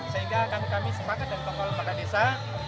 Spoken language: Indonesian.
sehingga kami kami sepakat dan tokol warga desa